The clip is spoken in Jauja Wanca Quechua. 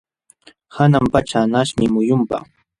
Hanan pacha anqaśhmi muyunpa.